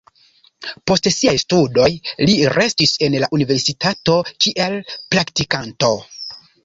Post siaj studoj li restis en la universitato kiel praktikanto.